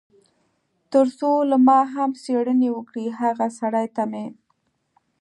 تر څو له ما هم څېړنې وکړي، هغه سړي ته مې.